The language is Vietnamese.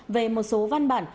về một số văn bản